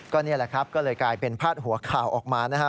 ก็นี่แหละครับก็เลยกลายเป็นพาดหัวข่าวออกมานะฮะ